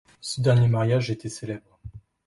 Ce dernier mariage était célèbre.